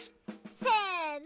せの！